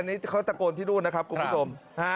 เนี่ยรู้นะครับคุณผู้ชม